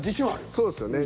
そうですね。